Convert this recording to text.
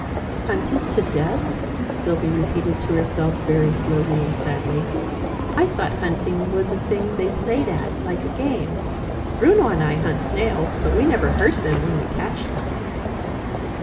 "Hunted to death?" Sylvie repeated to herself, very slowly and sadly. "I thought hunting was a thing they played at like a game. Bruno and I hunt snails: but we never hurt them when we catch them!"